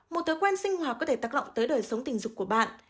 một thói quen sinh hoạt có thể tác động tới đời sống tình dục của bạn